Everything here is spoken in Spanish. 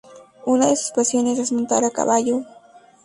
Una de sus pasiones es montar a caballo.